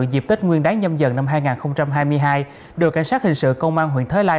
dịp tết nguyên đáng nhâm dần năm hai nghìn hai mươi hai đội cảnh sát hình sự công an huyện thới